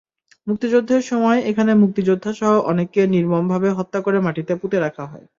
মুক্তিযুদ্ধের সময় এখানে মুক্তিযোদ্ধাসহ অনেককে নির্মমভাবে হত্যা করে মাটিতে পুঁতে রাখা হয়।